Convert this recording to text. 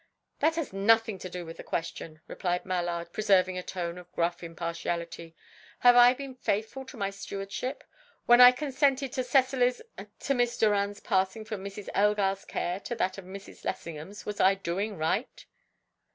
"That has nothing to do with the question," replied Mallard, preserving a tone of gruff impartiality. "Have I been faithful to my stewardship? When I consented to Cecily's to Miss Doran's passing from Mrs. Elgar's care to that of Mrs. Lessingham, was I doing right?"